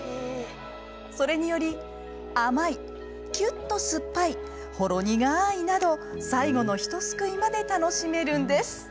それにより甘い、きゅっと酸っぱいほろ苦いなど最後のひとすくいまで楽しめるんです。